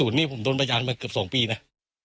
๖๐นี่ผมโดนประจานมาเกือบ๒ปีนะ